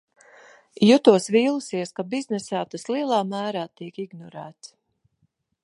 Jutos vīlusies, ka biznesā tas lielā mērā tiek ignorēts.